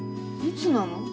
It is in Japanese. いつなの？